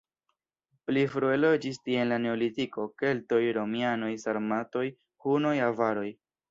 Pli frue loĝis tie en la neolitiko, keltoj, romianoj, sarmatoj, hunoj, avaroj.